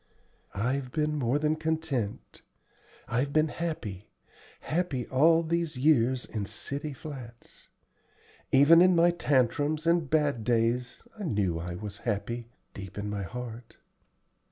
"I've been more than content; I've been happy happy all these years in city flats. Even in my tantrums and bad days I knew I was happy, deep in my heart."